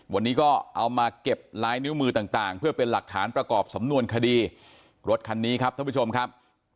วันนี้ก็เอามาเก็บลายนิ้วมือต่างต่างเพื่อเป็นหลักฐานประกอบสำนวนคดีรถคันนี้ครับท่านผู้ชมครับ